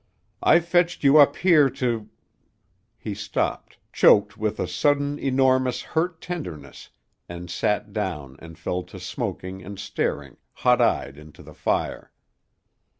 I fetched you up here to " He stopped, choked with a sudden, enormous hurt tenderness and sat down and fell to smoking and staring, hot eyed, into the fire.